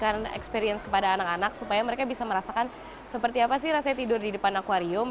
memberikan experience kepada anak anak supaya mereka bisa merasakan seperti apa sih rasanya tidur di depan akuarium